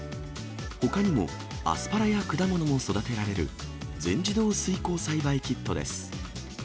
ほかにも、アスパラや果物も育てられる、全自動水耕栽培キットです。